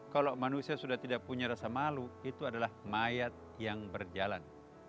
kalau manusia sudah tidak punya rasa malu itu adalah mayat yang berjalan